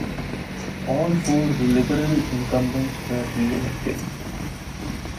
All four Liberal incumbents were re-elected.